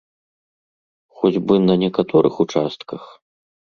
Хоць бы на некаторых участках?